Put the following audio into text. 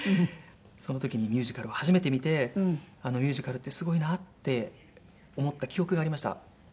その時にミュージカルを初めて見てミュージカルってすごいなって思った記憶がありました。